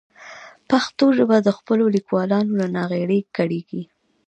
پښتو ژبه د خپلو لیکوالانو له ناغېړۍ کړېږي.